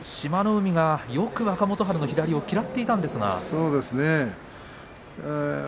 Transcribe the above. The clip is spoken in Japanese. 海がよく若元春の左を嫌っていたんですが。